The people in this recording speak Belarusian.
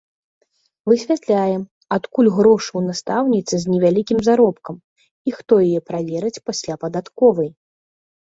Высвятляем, адкуль грошы ў настаўніцы з невялікім заробкам і хто яе праверыць пасля падатковай.